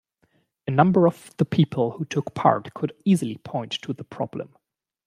A number of the people who took part could easily point to the problem